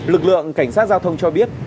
lực lượng cảnh sát giao thông cho biết